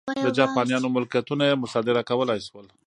د جاپانیانو ملکیتونه یې مصادره کولای شول.